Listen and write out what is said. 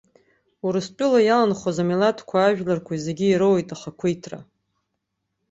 Урыстәыла иаланхоз амилаҭқәеи ажәларқәеи зегьы ироуит ахақәиҭра.